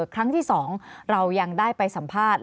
ครั้งที่๒เรายังได้ไปสัมภาษณ์